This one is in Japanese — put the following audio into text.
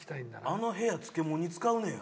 あの部屋漬物に使うねや。